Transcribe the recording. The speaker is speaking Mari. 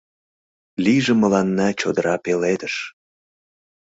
Лийже мыланна чодыра пеледыш.